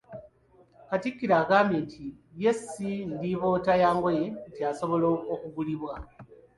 Katikkiro agambye nti ye si ndiboota yangoye nti asobola okugulibwa.